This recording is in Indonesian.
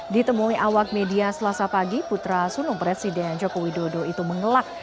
ditemui awak media selasa pagi putra sulung presiden joko widodo itu mengelak